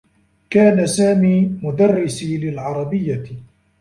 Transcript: كان سامي مدرّسي للعربيّة.